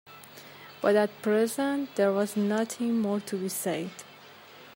But at present there was nothing more to be said.